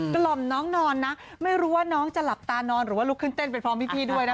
กล่อมน้องนอนนะไม่รู้ว่าน้องจะหลับตานอนหรือว่าลุกขึ้นเต้นไปพร้อมพี่ด้วยนะคะ